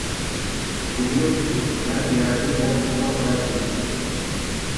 بۇ يىل قىش مەن يەردىن بەك تولا تاياق يېدىم.